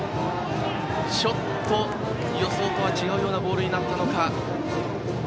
ちょっと予想とは違うようなボールになったのか。